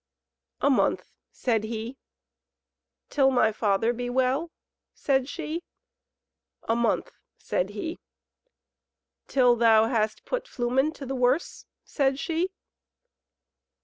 "A month," said he. "Till my father be well?" said she. "A month," said he. "Till thou hast put Flumen to the worse?" said she.